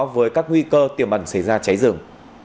với các nguy cơ tiềm ẩn xảy ra cháy rừng